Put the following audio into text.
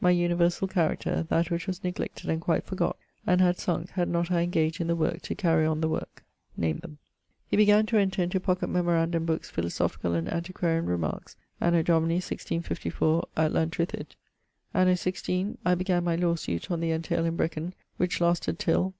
universall character <: that> which was neglected and quite forgott and had sunk had not I engaged in the worke, to carry on the worke name them. He began to enter into pocket memorandum bookes philosophicall and antiquarian remarques, Anno Domini 1654, at Llantrithid. Anno 16 I began my lawe suite on the entaile in Brecon[Y], which lasted till